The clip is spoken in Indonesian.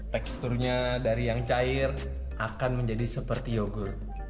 teksturnya dari yang cair akan menjadi seperti yogurt